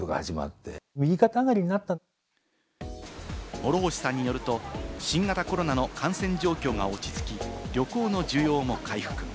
諸星さんによると、新型コロナの感染状況が落ち着き、旅行の需要も回復。